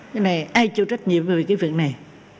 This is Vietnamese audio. cái này ai chịu trách nhiệm về cái việc này